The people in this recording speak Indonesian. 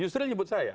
yusril sebut saya